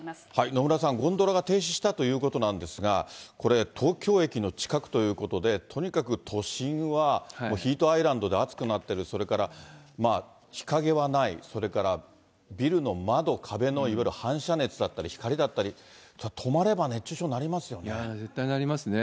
野村さん、ゴンドラが停止したということなんですが、これ、東京駅の近くということで、とにかく都心は、もうヒートアイランドで暑くなっている、それから日陰はない、それからビルの窓、壁のいわゆる反射熱だったり、光だったり、止まれば熱中症になり絶対なりますね。